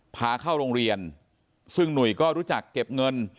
พาเข้าโรงเรียนซึ่งหนุ่ยก็รู้จักเก็บเงิน